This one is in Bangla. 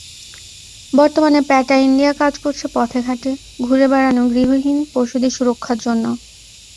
বর্তমানে পেটা ইন্ডিয়া কাজ করছে পথেঘাটে ঘুরে বেড়ানো গৃহহীন পশুদের সুরক্ষার জন্য।